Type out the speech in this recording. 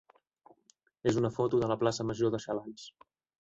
és una foto de la plaça major de Xalans.